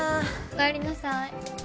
おかえりなさい。